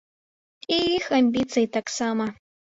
І іх амбіцыі таксама.